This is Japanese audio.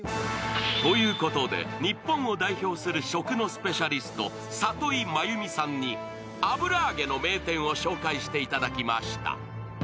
ということで日本を代表する食のスペシャリスト里井真由美さんに油揚げの名店を紹介していただきました。